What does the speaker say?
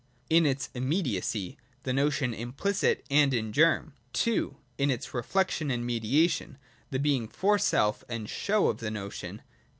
In its immediacy : the notion implicit and in germ. II. In its reflection and mediation : the being for self and show of the notion.